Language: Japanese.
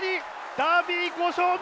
ダービー５勝目！